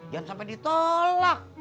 jangan sampai ditolak